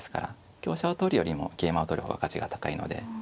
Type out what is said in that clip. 香車を取るよりも桂馬を取る方が価値が高いので。